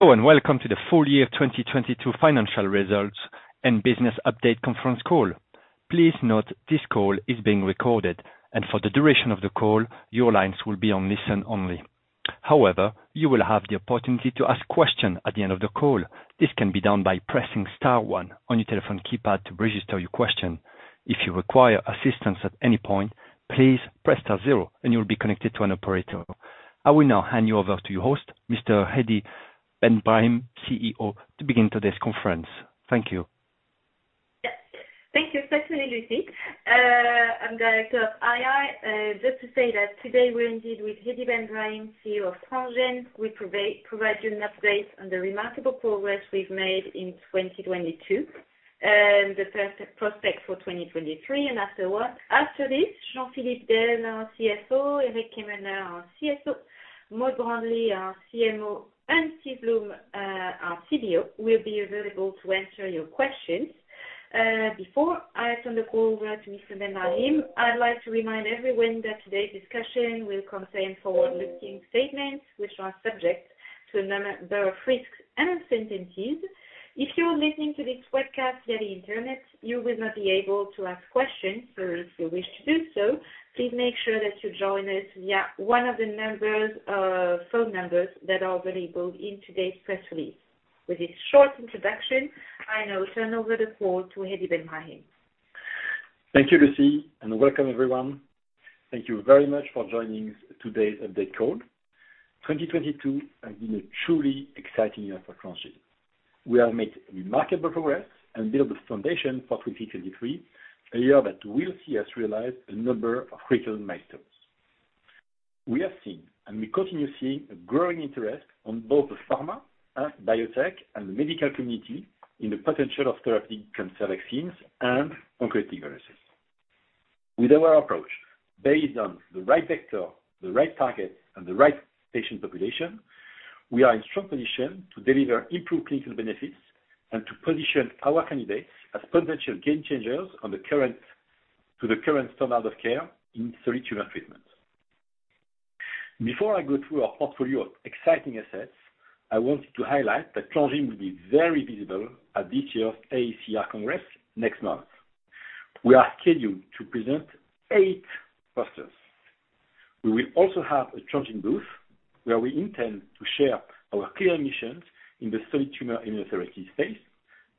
Hello, welcome to the full year 2022 financial results and business update conference call. Please note this call is being recorded, for the duration of the call, your lines will be on listen only. However, you will have the opportunity to ask questions at the end of the call. This can be done by pressing star one on your telephone keypad to register your question. If you require assistance at any point, please press star zero and you'll be connected to an operator. I will now hand you over to your host, Mr. Hedi Ben Brahim, CEO, to begin today's conference. Thank you. Yeah. Thank you. This is actually Lucie. I'm director of II. Just to say that today we're indeed with Hedi Ben Brahim, CEO of Transgene. We provide you an update on the remarkable progress we've made in 2022, the prospect for 2023. After this, Jean-Philippe Del, our CSO, Éric Quéméneur, our CSO, Maud Brandely, our CMO, and Steve Bloom, our CFO, will be available to answer your questions. Before I turn the call over to Mr. Ben Brahim, I'd like to remind everyone that today's discussion will contain forward-looking statements which are subject to a number of risks and uncertainties. If you're listening to this webcast via the Internet, you will not be able to ask questions. If you wish to do so, please make sure that you join us via one of the numbers, phone numbers that are available in today's press release. With this short introduction, I now turn over the call to Hedi Ben Brahim. Thank you, Lucie, and welcome everyone. Thank you very much for joining today's update call. 2022 has been a truly exciting year for Transgene. We have made remarkable progress and built the foundation for 2023, a year that will see us realize a number of critical milestones. We have seen, and we continue seeing, a growing interest on both the pharma and biotech and medical community in the potential of therapeutic cancer vaccines and oncolytic viruses. With our approach based on the right vector, the right target, and the right patient population, we are in strong position to deliver improved clinical benefits and to position our candidates as potential game changers to the current standard of care in solid tumor treatments. Before I go through our portfolio of exciting assets, I wanted to highlight that Transgene will be very visible at this year's AACR Congress next month. We are scheduled to present eight posters. We will also have a Transgene booth where we intend to share our clear missions in the solid tumor immunotherapy space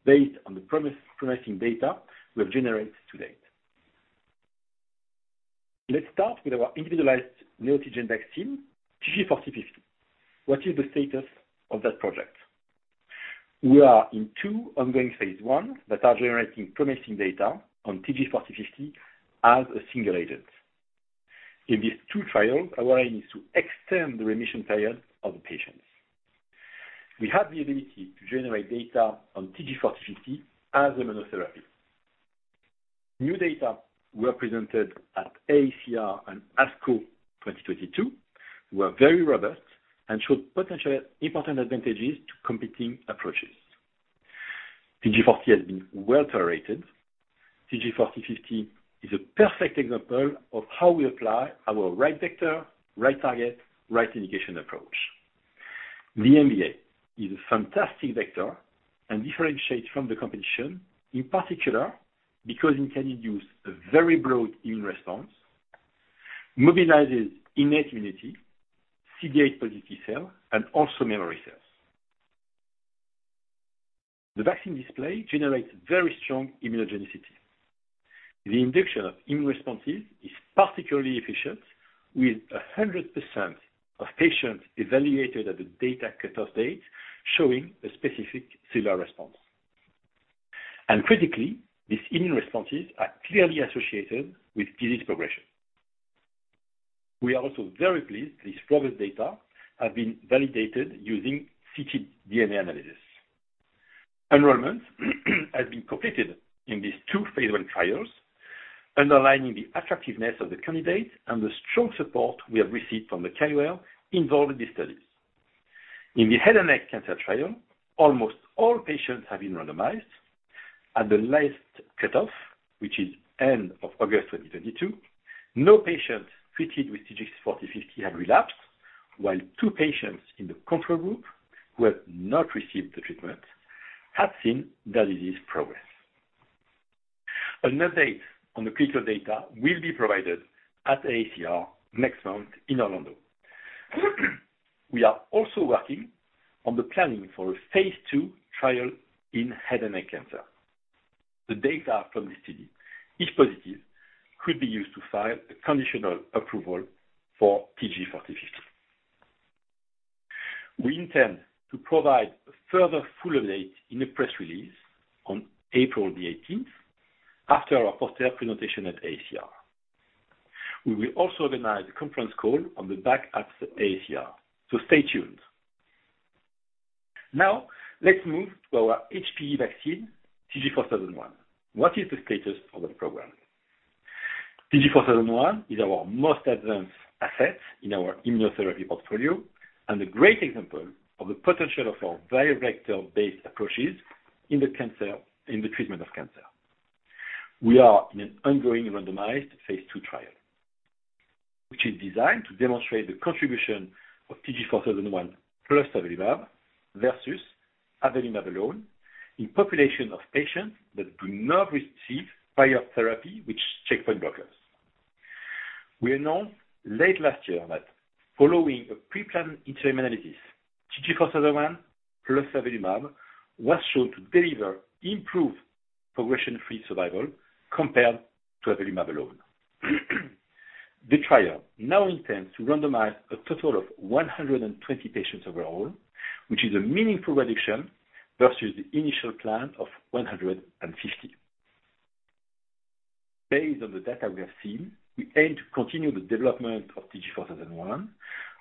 based on the promising data we have generated to date. Let's start with our individualized neoantigen vaccine TG4050. What is the status of that project? We are in two ongoing phase I that are generating promising data on TG4050 as a single agent. In these two trials, our aim is to extend the remission period of the patients. We have the ability to generate data on TG4050 as a monotherapy. New data were presented at AACR and ASCO 2022 were very robust and showed potential important advantages to competing approaches. TG40 has been well tolerated. TG4050 is a perfect example of how we apply our right vector, right target, right indication approach. The MVA is a fantastic vector and differentiates from the competition, in particular because it can induce a very broad immune response, mobilizes innate immunity, CD8+ T-cell, and also memory cells. The vaccine display generates very strong immunogenicity. The induction of immune responses is particularly efficient with 100% of patients evaluated at the data cut-off date showing a specific similar response. Critically, these immune responses are clearly associated with disease progression. We are also very pleased these progress data have been validated using ctDNA analysis. Enrollment has been completed in these two phase I trials, underlining the attractiveness of the candidate and the strong support we have received from the CRO involved in these studies. In the head and neck cancer trial, almost all patients have been randomized. At the last cut-off, which is end of August 2022, no patient treated with TG4050 had relapsed, while two patients in the control group who have not received the treatment have seen the disease progress. An update on the clinical data will be provided at AACR next month in Orlando. We are also working on the planning for a phase II trial in head and neck cancer. The data from the study, if positive, could be used to file a conditional approval for TG4050. We intend to provide a further full update in a press release on April 18th after our poster presentation at AACR. We will also organize a conference call on the back at AACR. Stay tuned. Now let's move to our HPV vaccine TG4001. What is the status of the program? TG4001 is our most advanced asset in our immunotherapy portfolio and a great example of the potential of our virvector-based approaches in the treatment of cancer. We are in an ongoing randomized phase II trial. Which is designed to demonstrate the contribution of TG4001 plus avelumab versus avelumab alone in population of patients that do not receive prior therapy, which checkpoint blockers. We announced late last year that following a pre-planned interim analysis, TG4001 plus avelumab was shown to deliver improved progression-free survival compared to avelumab alone. The trial now intends to randomize a total of 120 patients overall, which is a meaningful reduction versus the initial plan of 150. Based on the data we have seen, we aim to continue the development of TG4001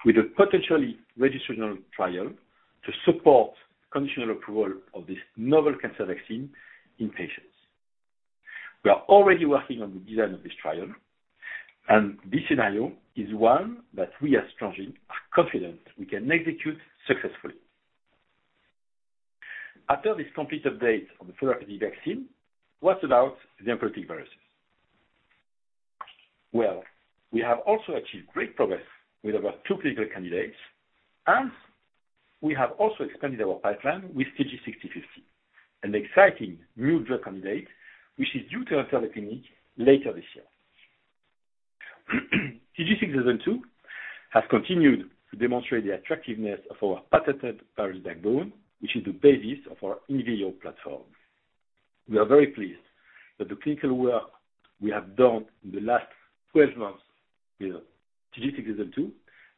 with a potentially registrational trial to support conditional approval of this novel cancer vaccine in patients. We are already working on the design of this trial. This scenario is one that we as Transgene are confident we can execute successfully. After this complete update on the therapeutic vaccine, what about the oncolytic viruses? Well, we have also achieved great progress with our two clinical candidates, and we have also expanded our pipeline with TG6050, an exciting new drug candidate, which is due to enter the clinic later this year. TG6002 has continued to demonstrate the attractiveness of our patented virus backbone, which is the basis of our in vivo platform. We are very pleased that the clinical work we have done in the last 12 months with TG6002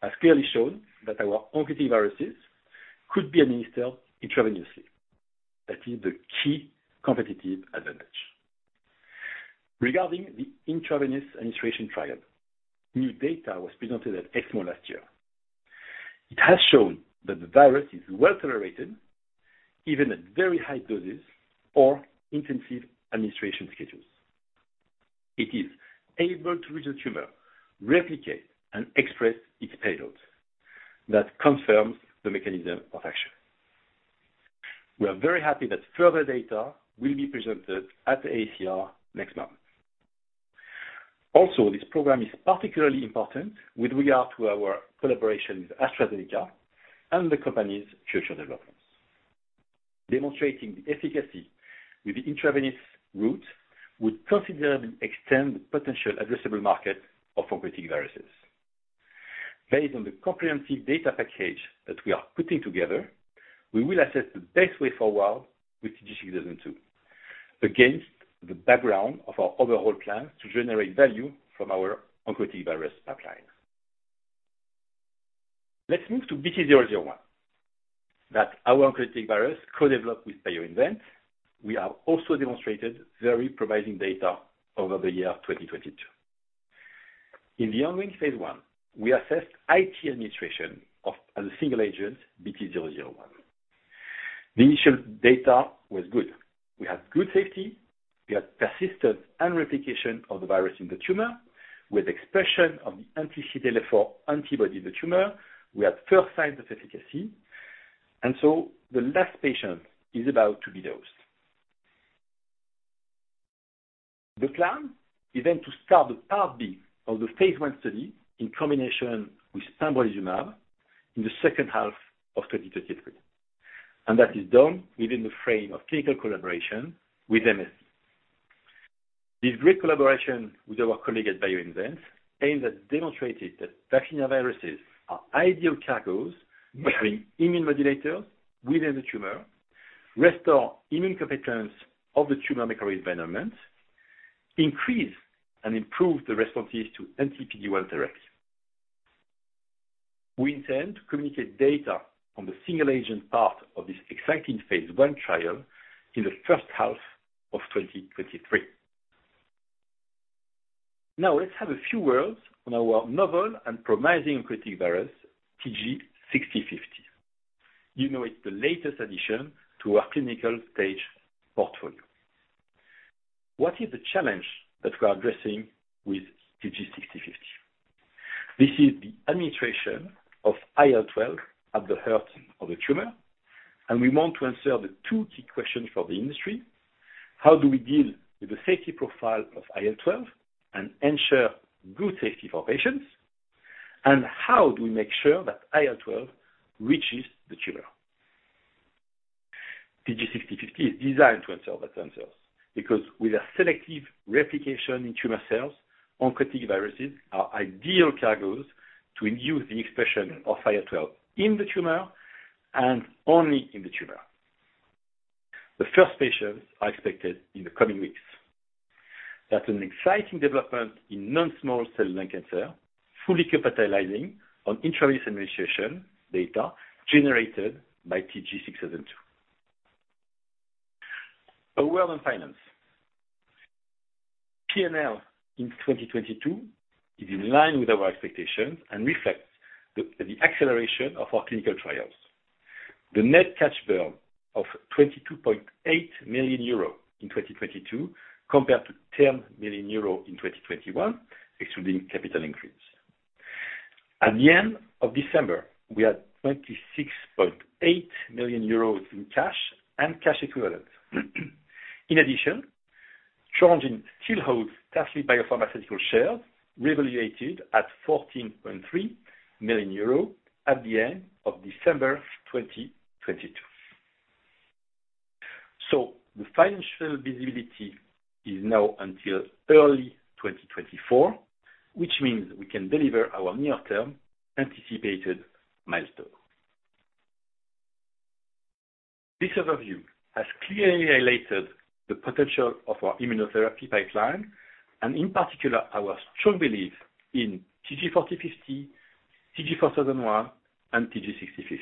has clearly shown that our oncolytic viruses could be administered intravenously. That is the key competitive advantage. Regarding the intravenous administration trial, new data was presented at ESMO last year. It has shown that the virus is well-tolerated, even at very high doses or intensive administration schedules. It is able to reach the tumor, replicate, and express its payloads. That confirms the mechanism of action. We are very happy that further data will be presented at the AACR next month. This program is particularly important with regard to our collaboration with AstraZeneca and the company's future developments. Demonstrating the efficacy with the intravenous route would considerably extend the potential addressable market of oncolytic viruses. Based on the comprehensive data package that we are putting together, we will assess the best way forward with TG6002 against the background of our overall plan to generate value from our oncolytic virus pipeline. Let's move to BT-001. That's our oncolytic virus co-developed with BioInvent. We have also demonstrated very promising data over the year 2022. In the ongoing phase I, we assessed IV administration of a single agent, BT-001. The initial data was good. We had good safety. We had persistence and replication of the virus in the tumor. With expression of the anti-CTLA-4 antibody in the tumor, we had first signs of efficacy, and so the last patient is about to be dosed. The plan is to start the part B of the phase I study in combination with pembrolizumab in the second half of 2023. That is done within the frame of clinical collaboration with MSD. This great collaboration with our colleague at BioInvent aims at demonstrating that vaccinia viruses are ideal cargos to bring immune modulators within the tumor, restore immune competence of the tumor microenvironment, increase and improve the responses to anti-PD-L1 therapy. We intend to communicate data on the single agent part of this exciting phase I trial in the first half of 2023. Let's have a few words on our novel and promising oncolytic virus, TG6050. You know it's the latest addition to our clinical stage portfolio. What is the challenge that we are addressing with TG6050? This is the administration of IL-12 at the heart of the tumor, and we want to answer the two key questions for the industry. How do we deal with the safety profile of IL-12 and ensure good safety for patients? How do we make sure that IL-12 reaches the tumor? TG6050 is designed to answer that themselves, because with a selective replication in tumor cells, oncolytic viruses are ideal cargos to induce the expression of IL-12 in the tumor and only in the tumor. The first patients are expected in the coming weeks. That's an exciting development in non-small cell lung cancer, fully capitalizing on intravenous administration data generated by TG6002. A word on finance. P&L in 2022 is in line with our expectations and reflects the acceleration of our clinical trials. The net cash burn of 22.8 million euro in 2022 compared to 10 million euro in 2021, excluding capital increase. At the end of December, we had 26.8 million euros in cash and cash equivalents. In addition, Transgene still holds Tasly BioPharmaceuticals shares reevaluated at 14.3 million euros at the end of December 2022. The financial visibility is now until early 2024, which means we can deliver our near term anticipated milestone. This overview has clearly highlighted the potential of our immunotherapy pipeline and in particular, our strong belief in TG4050, TG4001 and TG6050.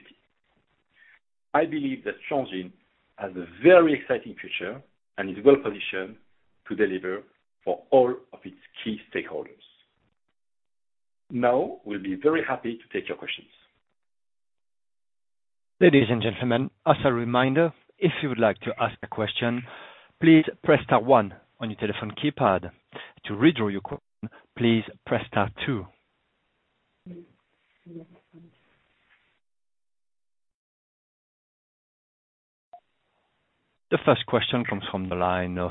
I believe that Transgene has a very exciting future and is well positioned to deliver for all of its key stakeholders. We'll be very happy to take your questions. Ladies and gentlemen, as a reminder, if you would like to ask a question, please press star one on your telephone keypad. To withdraw your please press star two. The first question comes from the line of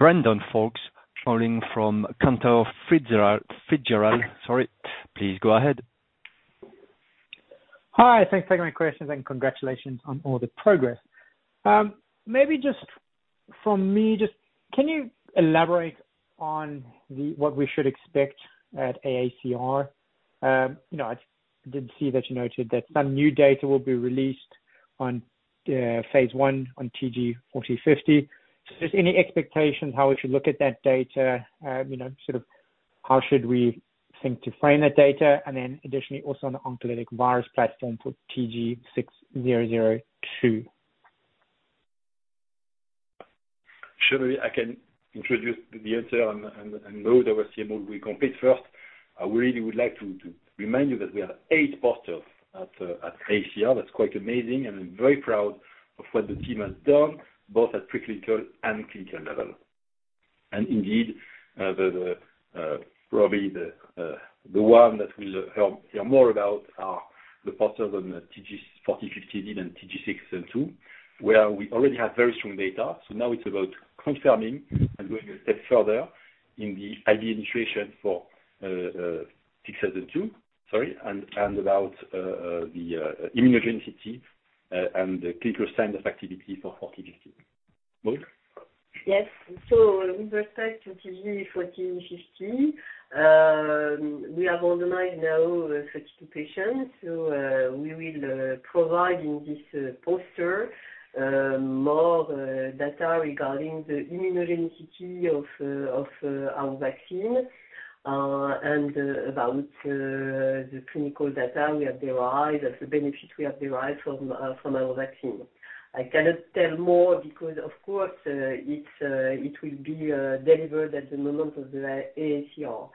Brandon Folkes calling from Cantor Fitzgerald. Sorry. Please go ahead. Hi. Thanks for taking my questions and congratulations on all the progress. Maybe just from me, just can you elaborate on the, what we should expect at AACR? You know, I did see that you noted that some new data will be released on phase I on TG4050. Just any expectations how we should look at that data? You know, sort of how should we think to frame that data? Additionally, also on the oncolytic virus platform for TG6002. Surely I can introduce the answer, and Maud Brandely, our CMO, will complete first. I really would like to remind you that we have eight posters at AACR. That's quite amazing. I'm very proud of what the team has done, both at pre-clinical and clinical level. Indeed, probably the one that we'll hear more about are the posters on the TG4050 and TG6002, where we already have very strong data. Now it's about confirming and going a step further in the IV administration for TG6002, sorry. About the immunogenicity and the clinical sign of activity for TG4050. Maud Brandely? Yes. With respect to TG4050, we have organized now 32 patients who we will provide in this poster more data regarding the immunogenicity of our vaccine. About the clinical data we have derived, that's the benefit we have derived from our vaccine. I cannot tell more because of course, it will be delivered at the moment of the AACR.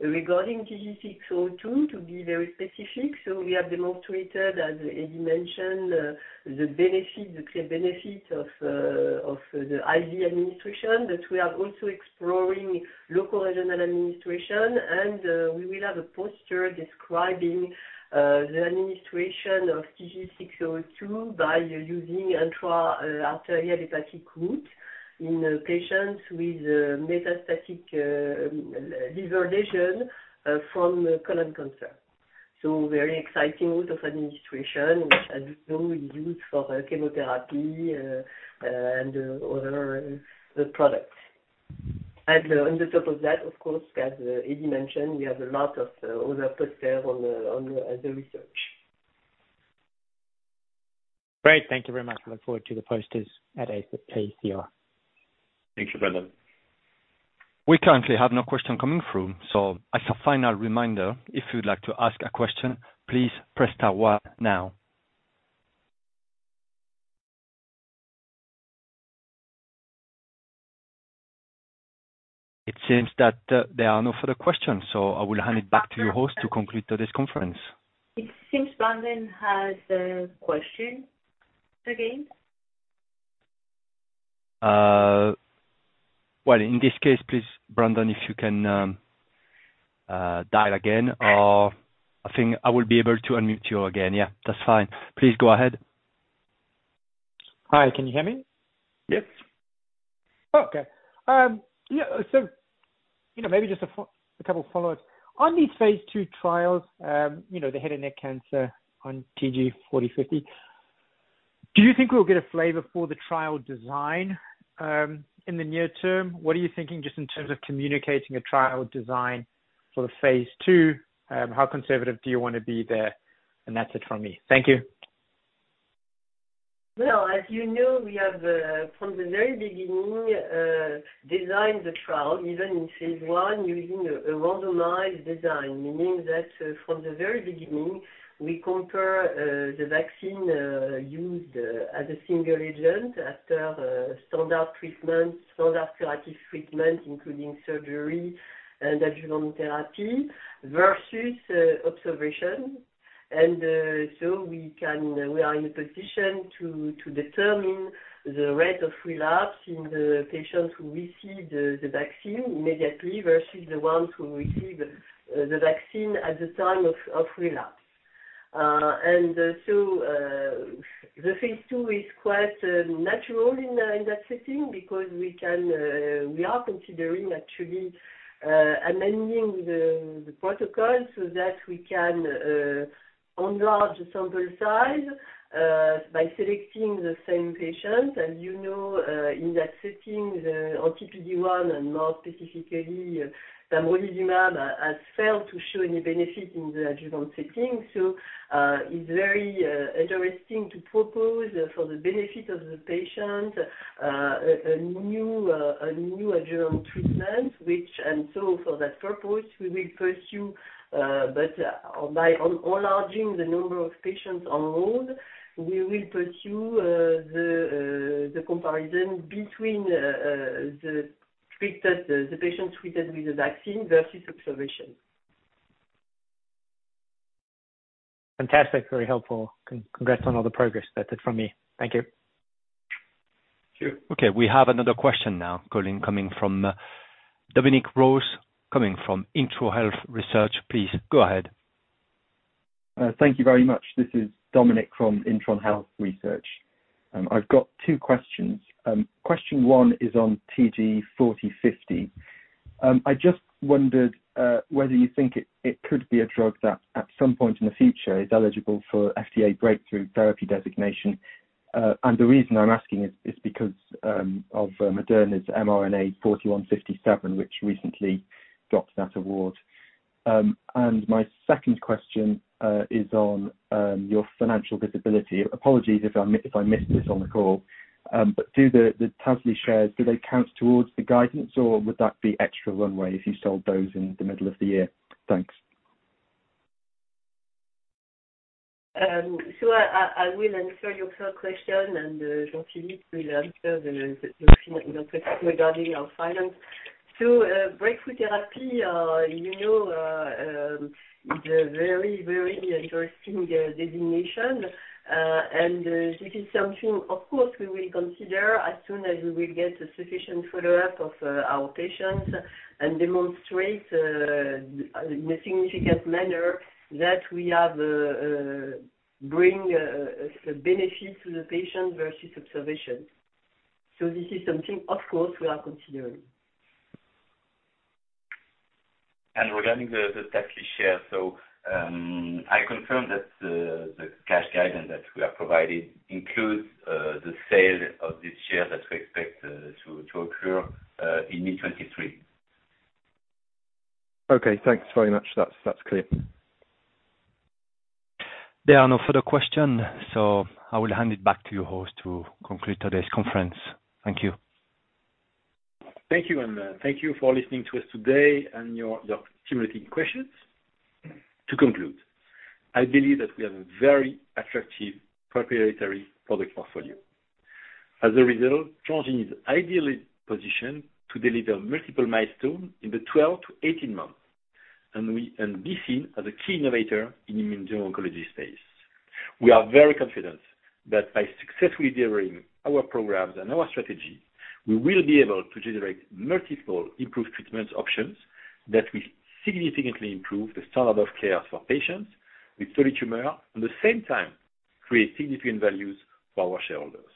Regarding TG6002, to be very specific, we have demonstrated, as Hedi mentioned, the clear benefit of the IV administration, but we are also exploring local regional administration. We will have a poster describing the administration of TG6002 by using intra-arterial hepatic route in patients with metastatic liver lesion from colon cancer. Very exciting route of administration which as you know is used for chemotherapy, and other, products. On the top of that, of course, as Hedi mentioned, we have a lot of other posters on the, on the research. Great. Thank you very much. I look forward to the posters at AACR. Thank you, Brandon. We currently have no question coming through, so as a final reminder, if you'd like to ask a question, please press star one now. It seems that there are no further questions, so I will hand it back to your host to conclude this conference. It seems Brandon has a question again. Well, in this case, please, Brandon, if you can, dial again or I think I will be able to unmute you again. Yeah, that's fine. Please go ahead. Hi, can you hear me? Yes. Okay. Yeah, you know, maybe just a couple follow-ups. On these phase II trials, you know, the head and neck cancer on TG4050, do you think we'll get a flavor for the trial design in the near term? What are you thinking just in terms of communicating a trial design for the phase II? How conservative do you wanna be there? That's it from me. Thank you. Well, as you know, we have, from the very beginning, designed the trial, even in phase I, using a randomized design. Meaning that, from the very beginning, we compare, the vaccine, used as a single agent after, standard treatment, standard curative treatment, including surgery and adjuvant therapy versus, observation. So we are in a position to determine the rate of relapse in the patients who receive the vaccine immediately versus the ones who receive the vaccine at the time of relapse. So, the phase II is quite natural in that setting because we can, we are considering actually, amending the protocol so that we can, enlarge the sample size, by selecting the same patient. As you know, in that setting, the anti-PD-1 and more specifically, zimberelimab has failed to show any benefit in the adjuvant setting. It's very interesting to propose for the benefit of the patient a new adjuvant treatment. For that purpose, we will pursue by enlarging the number of patients enrolled, the comparison between the patients treated with the vaccine versus observation. Fantastic. Very helpful. Congrats on all the progress. That's it from me. Thank you. Sure. Okay. We have another question now, calling, coming from Dominic Rose, coming from Intron Health Research. Please go ahead. Thank you very much. This is Dominic from Intron Health Research. I've got two questions. Question one is on TG4050. I just wondered whether you think it could be a drug that at some point in the future is eligible for FDA Breakthrough Therapy designation. The reason I'm asking is because of Moderna's mRNA-4157, which recently got that award. My second question is on your financial visibility. Apologies if I missed this on the call. Do the Tasly shares, do they count towards the guidance, or would that be extra runway if you sold those in the middle of the year? Thanks. I will answer your first question and Jean-Philippe will answer the question regarding our finance. Breakthrough Therapy, you know, is a very, very interesting designation. And this is something of course we will consider as soon as we will get a sufficient follow-up of our patients and demonstrate in a significant manner that we have bring benefit to the patient versus observation. This is something of course we are considering. Regarding the Tasly share. I confirm that the cash guidance that we are providing includes the sale of this share that we expect to occur in mid-2023. Okay. Thanks very much. That's clear. There are no further question, so I will hand it back to you, host, to conclude today's conference. Thank you. Thank you. Thank you for listening to us today and your stimulating questions. To conclude, I believe that we have a very attractive proprietary product portfolio. As a result, Transgene is ideally positioned to deliver multiple milestones in the 12 to 18 months, and be seen as a key innovator in immuno-oncology space. We are very confident that by successfully delivering our programs and our strategy, we will be able to generate multiple improved treatment options that will significantly improve the standard of care for patients with solid tumor, at the same time, create significant values for our shareholders.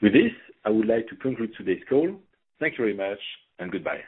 With this, I would like to conclude today's call. Thank you very much and goodbye.